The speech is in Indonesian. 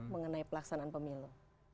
mengenai pelaksanaan pemilu